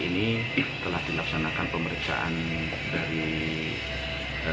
hari ini telah dilaksanakan pemeriksaan dari rsud